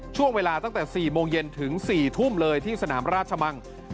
ช่วงเวลาตั้งแต่๔โมงเย็นถึง๔ทุ่มเลยที่สนามราชมัง